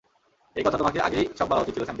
এই কথা তোমাকে আগেই সব বলা উচিত ছিল স্যান্ডি।